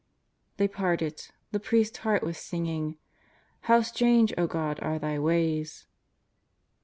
They parted. The priest's heart was singing: "How strange, God, are Thy ways!"